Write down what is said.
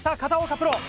プロ。